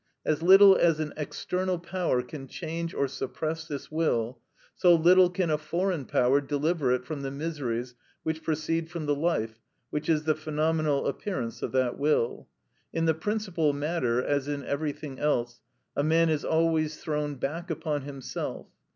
As little as an external power can change or suppress this will, so little can a foreign power deliver it from the miseries which proceed from the life which is the phenomenal appearance of that will. In the principal matter, as in everything else, a man is always thrown back upon himself.